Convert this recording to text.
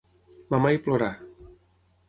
Mamar i plorar.